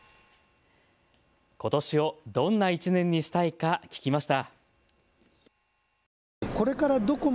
ことしをどんな１年にしたいか聞きました。